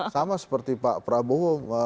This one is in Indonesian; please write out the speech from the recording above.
sama seperti pak prabowo